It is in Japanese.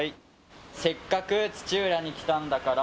「せっかく土浦に来たんだから」